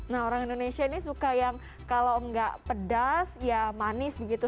nah orang indonesia ini suka yang kalau nggak pedas ya manis begitu